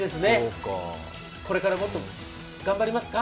これからもっと頑張りますか？